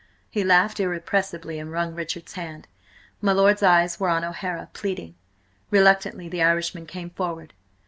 He laughed irrepressibly, and wrung Richard's hand. My lord's eyes were on O'Hara, pleading. Reluctantly the Irishman came forward.